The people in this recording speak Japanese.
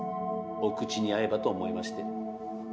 お口に合えばと思いまして。